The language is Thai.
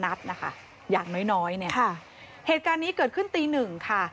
นัดนะคะอย่างน้อยน้อยเนี่ยค่ะเหตุการณ์นี้เกิดขึ้นตีหนึ่งค่ะ